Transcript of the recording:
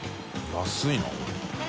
安いなこれ。